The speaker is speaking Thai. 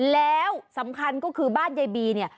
แล้วสำคัญก็คือบ้านยายบีเนี่ย